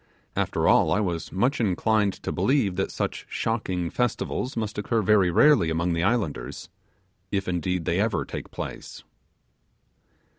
After all, I was much inclined to believe that these shocking festivals must occur very rarely among the islanders, if, indeed, they ever take place.